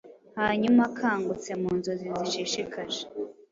Hanyumaakangutse mu nzozi zishishikaje